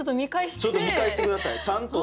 ちょっと見返して下さいちゃんと。